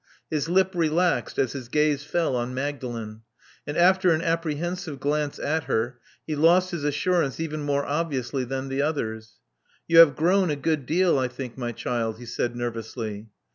His lip relaxed as his gaze fell on Magdalen; and after an apprehensive glance at her, he lost his assurance even more obviously than the others. You have grown a good deal, I think, my child," he said nervously.